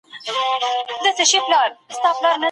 پلان جوړونه د منابعو د انسجام غوره وسيله ده.